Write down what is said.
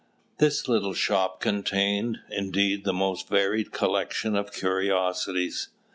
This little shop contained, indeed, the most varied collection of curiosities.